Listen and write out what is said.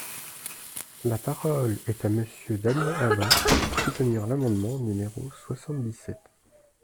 La parole est à Monsieur Damien Abad, pour soutenir l’amendement numéro soixante-dix-sept.